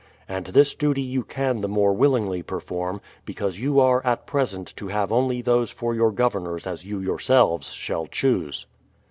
And this duty you can the more willingly perform, because you are at present to have only those for your governors as you yourselves shall choose.